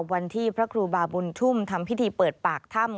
พระครูบาบุญชุ่มทำพิธีเปิดปากถ้ำ